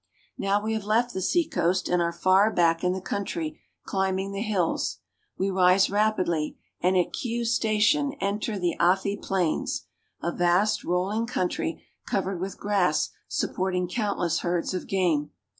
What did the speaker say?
Now we have left the seacoast and are far back in the country climbing the hills. We rise rapidly and at Kiu station enter the Athi plains, a vast rolling country covered with grass supporting countless herds of game.